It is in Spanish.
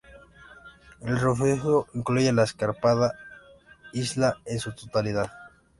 El refugio incluye la escarpada isla en su totalidad.